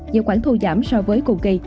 giữa khoảng thu giảm so với cùng kỳ